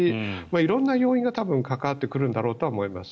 色んな要因が関わってくるんだろうとは思います。